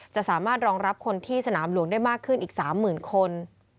สามารถรองรับคนที่สนามหลวงได้มากขึ้นอีก๓๐๐๐คน